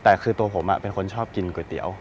แต่คือตัวผมเป็นคนชอบกินก๋วยเตี๋ยว